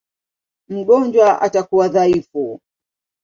Mgonjwa atakuwa dhaifu.